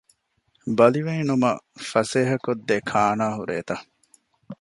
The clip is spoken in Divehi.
ބަލިވެއިނުމަށް ފަސޭހަކޮށްދޭ ކާނާ ހުރޭތަ؟